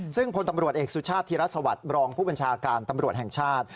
ซึ่งพลตำรวจเอกสุชาติธิรัฐสวัสดิ์รองผู้บัญชาการตำรวจแห่งชาติ